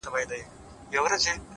صبر د ستونزو تر ټولو نرم ځواب دی؛